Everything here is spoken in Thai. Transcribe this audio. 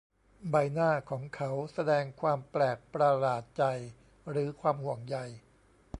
ใบหน้าของเขาแสดงความแปลกประหลาดใจหรือความห่วงใย